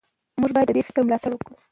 موږ باید د دې فکر ملاتړ وکړو.